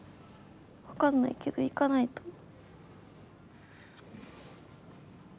分かんないけど行かないと。